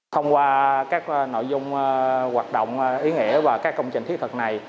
thông qua các nội dung hoạt động ý nghĩa và các công trình thiết thực này